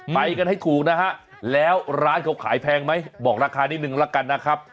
ไปกันให้ถูกนะฮะแล้วร้านเขาขายแพงไหมบอกราคานิดนึงละกันนะครับ